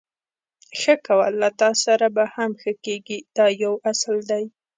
ښه کوه له تاسره به هم ښه کېږي دا یو اصل دی.